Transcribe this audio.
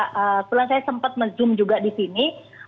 sebelumnya saya sempat men zoom juga di sini